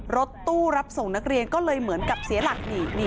รถตู้รับส่งนักเรียนก็เลยเหมือนกับเสียหลักหนี